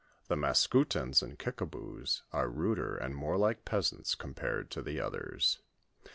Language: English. The Maskoutens and Kikabous are ruder and more like peasants, compared to the others.